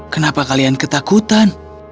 kenapa kalian ketakutan